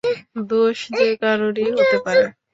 দোষ যে কারোরই হতে পারে!